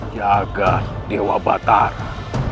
jaga dewa batara